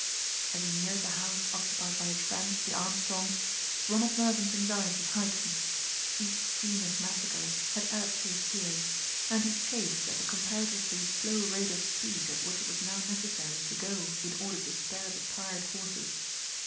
As he neared the house occupied by his friends, the Armstrongs, Ronald Mervyn's anxiety heightened. Each scene of massacre had added to his fears, and he chafed at the comparatively slow rate of speed at which it was now necessary to go in order to spare the tired horses.